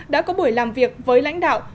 đã có buổi làm việc với lãnh đạo